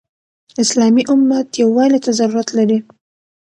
اسلامي امت يووالي ته ضرورت لري.